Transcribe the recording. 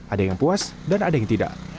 ada yang puas dan ada yang tidak